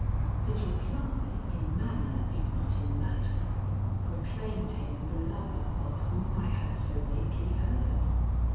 His reply, in manner if not in matter, proclaimed him the lover of whom I had so lately heard.